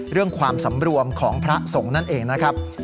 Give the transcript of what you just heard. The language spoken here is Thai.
เรื่องความสำรวมของพระสงฆ์นั่นเองนะครับ